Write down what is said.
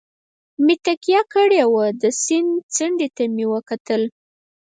مې تکیه کړې وه، د سیند څنډې ته مې وکتل.